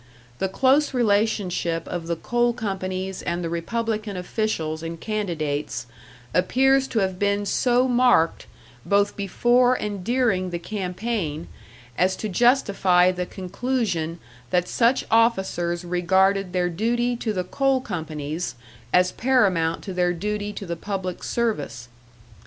The close relationship of the coal companies and the Republican officials and candidates appears to have been so marked both before and during the campaign, as to justify the conclusion that such officers regarded their duty to the coal companies as paramount to their duty to the public service.